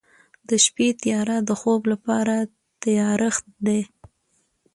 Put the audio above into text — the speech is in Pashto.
د شپې تیاره د خوب لپاره تیارښت دی.